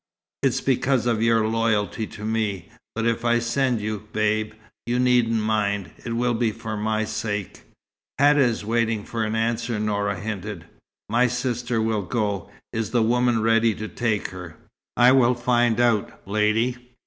It's because of your loyalty to me. But if I send you, Babe, you needn't mind. It will be for my sake." "Hadda is waiting for an answer," Noura hinted. "My sister will go. Is the woman ready to take her?" "I will find out, lady."